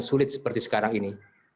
seperti sekarang ini